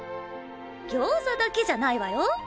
餃子だけじゃないわよ。